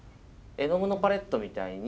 「絵の具のパレットみたいに」。